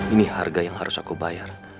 ini harga yang harus aku bayar